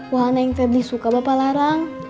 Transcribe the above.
wahana yang tadi suka bapak larang